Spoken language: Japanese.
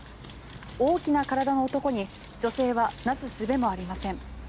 大きな体の男に女性はなすすべもありません。